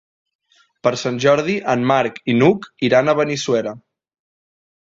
Per Sant Jordi en Marc i n'Hug iran a Benissuera.